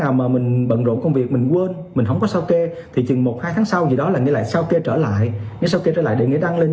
hoặc không đúng công việc như mong muốn của những người gửi điện